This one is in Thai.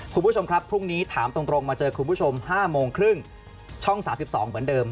คุณผู้ชมครับพรุ่งนี้ถามตรงมาเจอคุณผู้ชม๕โมงครึ่งช่อง๓๒เหมือนเดิม